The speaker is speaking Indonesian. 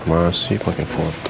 masih pake foto